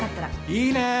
いいねえ！